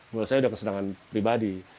buat saya udah kesenangan pribadi